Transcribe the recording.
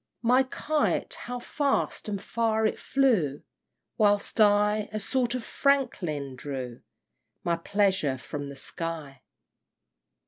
IV. My kite how fast and far it flew! Whilst I, a sort of Franklin, drew My pleasure from the sky!